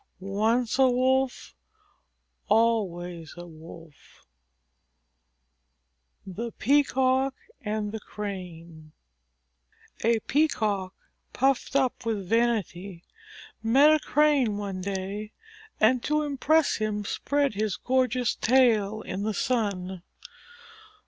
Once a wolf, always a wolf. THE PEACOCK AND THE CRANE A Peacock, puffed up with vanity, met a Crane one day, and to impress him spread his gorgeous tail in the Sun.